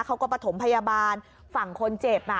เขาก็ประถมพยาบาลฝั่งคนเจ็บ